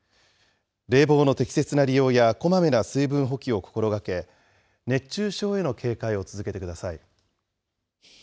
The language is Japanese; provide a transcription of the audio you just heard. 冷房の適切な利用やこまめな水分補給を心がけ、熱中症への警戒を続けてください。